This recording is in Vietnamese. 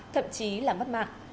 thậm chí là mất mạng